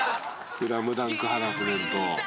「『スラムダンク』ハラスメント」